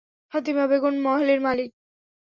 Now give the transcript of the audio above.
ফাতিমা বেগম, মহলের মালিক।